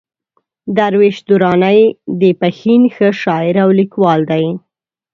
درویش درانی د پښين ښه شاعر او ليکوال دئ.